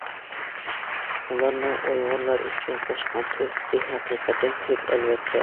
ئۇلارنىڭ ئۇيغۇرلار ئۈچۈن قوشقان تۆھپىسى ھەقىقەتەن كۆپ ئەلۋەتتە.